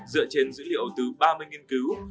dựa trên dữ liệu từ ba mươi nghiên cứu